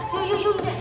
yuk yuk yuk udah